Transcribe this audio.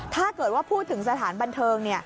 ถ้าเกิดว่าพูดถึงสถานบันเทิง